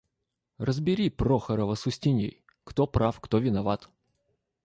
– Разбери Прохорова с Устиньей, кто прав, кто виноват.